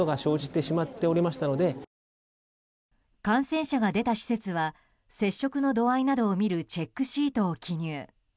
感染者が出た施設は接触の度合いなどを見るチェックシートを記入。